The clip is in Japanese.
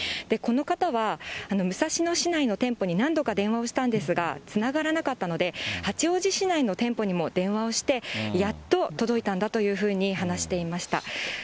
この方は、武蔵野市内の店舗に何度か電話をしたんですが、つながらなかったので、八王子市内の店舗にも電話をして、やっと届いたんだというふうに話していました。